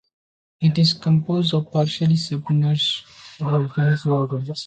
It is composed of partially submerged volcanic mountains.